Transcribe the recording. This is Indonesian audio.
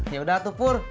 yaudah tuh pur